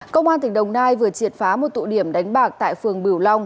công an tỉnh đồng nai vừa triệt phá một tụ điểm đánh bạc tại phường bửu long